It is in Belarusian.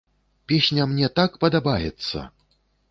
Песня мне так падабаецца!